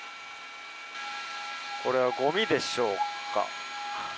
これはごみでしょうか。